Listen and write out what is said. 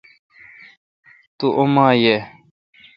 تو اوما یہ۔